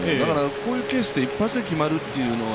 こういうケースって一発で決まるというのは、